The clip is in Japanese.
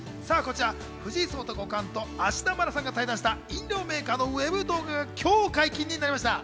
藤井聡太五冠と芦田愛菜さんが対談した飲料メーカーのＷＥＢ動画が今日解禁になりました。